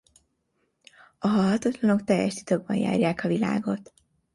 A halhatatlanok teljes titokban járják a világot.